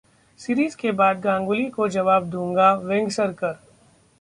series के बाद गांगुली को जवाब दूंगा: वेंगसरकर